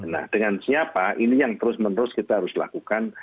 nah dengan siapa ini yang terus menerus kita harus lakukan